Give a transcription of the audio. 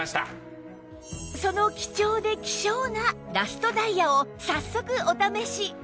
その貴重で希少なラストダイヤを早速お試し